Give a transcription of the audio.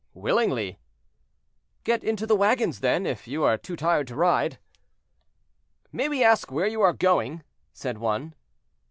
"Willingly." "Get into the wagons, then, if you are too tired to ride." "May we ask where are you going?" said one.